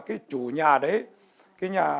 cái chủ nhà đấy cái nhà